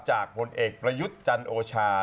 จากบนเอกประยุทธ์จันโอชา